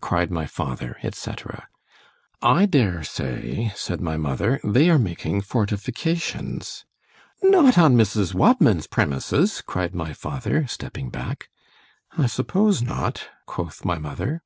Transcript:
cried my father &c. I dare say, said my mother, they are making fortifications—— ——Not on Mrs. Wadman's premises! cried my father, stepping back—— I suppose not: quoth my mother.